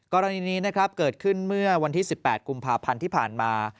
กรณีนี้นะครับเกิดขึ้นเมื่อวันที่๑๘กุมภาพันธ์ที่ผ่านมา